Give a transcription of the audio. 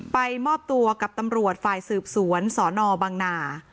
มอบตัวกับตำรวจฝ่ายสืบสวนสนบังนา